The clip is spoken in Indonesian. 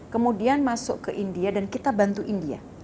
kemudian masuk ke india dan kita bantu india